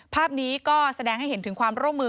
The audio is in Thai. ภาพนี้ก็แสดงให้เห็นถึงความร่วมมือ